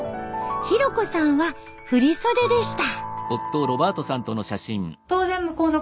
ヒロコさんは振り袖でした。